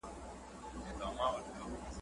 پردې مځکه دي خزان خېمې وهلي .